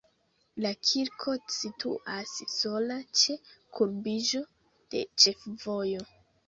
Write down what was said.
La kirko situas sola ĉe kurbiĝo de ĉefvojo.